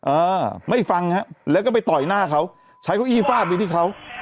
เออไม่ฟังฮะแล้วก็ไปต่อยหน้าเขาใช้เก้าอี้ฟาดไปที่เขา